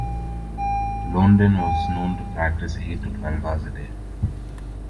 Londin was known to practice eight to twelve hours a day.